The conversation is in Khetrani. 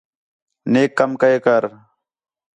نیک کم کَے کر